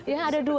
ya ada dua